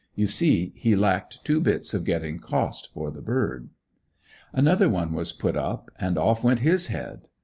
You see he lacked "two bits" of getting cost for the bird. Another one was put up, and off went his head.